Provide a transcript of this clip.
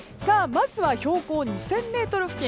まずは標高２０００ｍ付近。